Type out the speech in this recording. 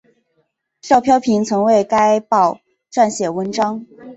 邵飘萍曾为该报撰写文章。